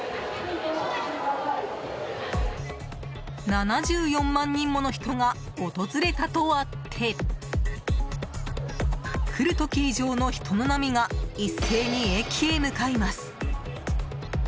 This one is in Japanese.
７４万人もの人が訪れたとあって来る時以上の人の波が一斉に駅へ向かいます。